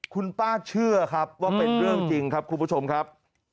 คุณป้าเชื่อครับว่าเป็นเรื่องจริงครับคุณผู้ชมครับ